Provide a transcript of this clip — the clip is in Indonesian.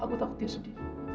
aku takut dia sedih